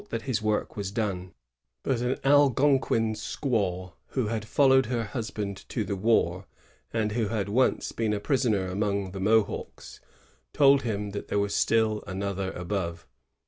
267 that his work was done; but an Algonquin squaw who had followed her husband to the war, and who had once been a prisoner among the Mohawks, told him that there was still another above.